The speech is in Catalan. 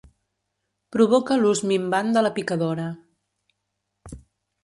Provoca l'ús minvant de la picadora.